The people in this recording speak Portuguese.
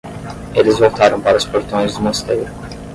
Eles voltaram para os portões do mosteiro.